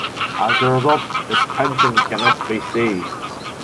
As a result, his pension cannot be seized.